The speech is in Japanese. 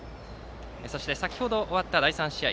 そして先程終わった第３試合